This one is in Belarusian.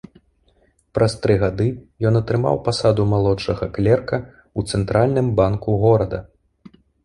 Праз тры гады ён атрымаў пасаду малодшага клерка ў цэнтральным банку горада.